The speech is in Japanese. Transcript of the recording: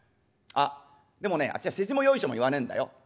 あっでもね私は世辞もよいしょも言わねえんだよ。